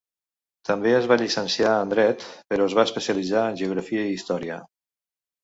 També es va llicenciar en dret, però es va especialitzar en geografia i història.